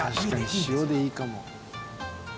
「塩でいいかも」